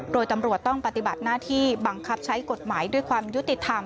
โดยตำรวจต้องปฏิบัติหน้าที่บังคับใช้กฎหมายด้วยความยุติธรรม